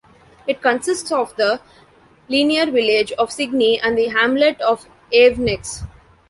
It consists of the linear village of Signy and the hamlet of Avenex.